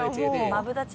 マブダチだ。